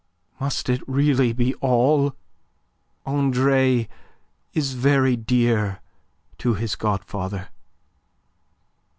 "Must it really be all? Andre is very dear to his godfather."